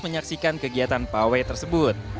menyaksikan kegiatan pawe tersebut